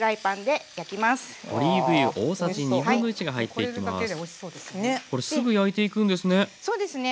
これすぐ焼いていくんですね。